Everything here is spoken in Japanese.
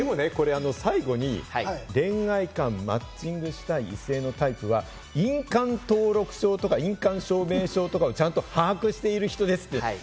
最後に恋愛観、マッチングしたい異性のタイプは印鑑登録証とか印鑑証明書とかをちゃんと把握している人ですって。